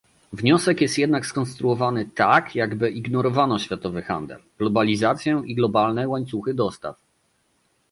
Wniosek jest jednak skonstruowany tak, jakby ignorowano światowy handel, globalizację i globalne łańcuchy dostaw